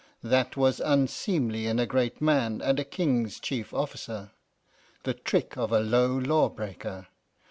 That was unseemly in a great man and a King's chief officer, the trick of a low law breaker.